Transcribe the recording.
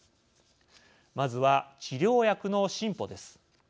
まずは、治療薬の進歩です。